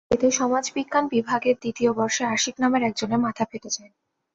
এতে সমাজবিজ্ঞান বিভাগের দ্বিতীয় বর্ষের আশিক নামের একজনের মাথা ফেটে যায়।